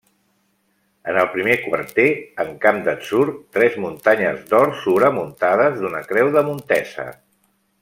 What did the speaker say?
En el primer quarter, en camp d'atzur, tres muntanyes d'or, sobremuntades d'una creu de Montesa.